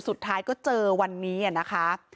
สุดท้ายก็เจอวันนี้นะคะ